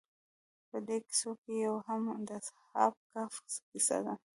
په دې کیسو کې یو هم د اصحاب کهف کیسه ده.